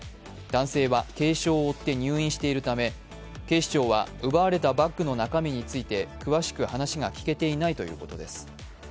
男性は軽傷を負って入院しているため警視庁は奪われたバッグの中身について、詳しく話が聞けていないということです。